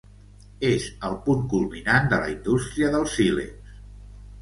És el punt culminant de la indústria del sílex.